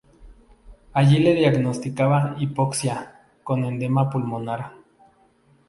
Allí le diagnostica hipoxia con edema pulmonar.